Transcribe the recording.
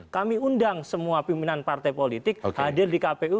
kami undang semua pimpinan partai politik hadir di kpu